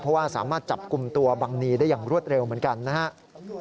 เพราะว่าสามารถจับกลุ่มตัวบังนีได้อย่างรวดเร็วเหมือนกันนะครับ